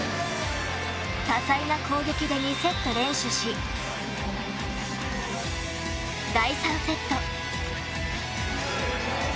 多彩な攻撃で２セット連取し第３セット。